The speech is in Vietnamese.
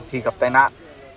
thì gặp tai nạn